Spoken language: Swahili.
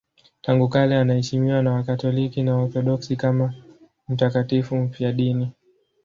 Tangu kale anaheshimiwa na Wakatoliki na Waorthodoksi kama mtakatifu mfiadini.